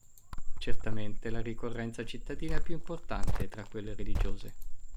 Certamente la ricorrenza cittadina più importante tra quelle religiose.